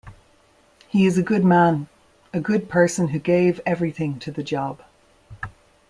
He is a good man; a good person who gave everything to the job.